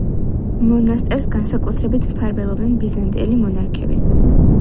მონასტერს განსაკუთრებით მფარველობდნენ ბიზანტიელი მონარქები.